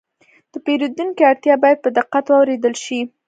د پیرودونکي اړتیا باید په دقت واورېدل شي.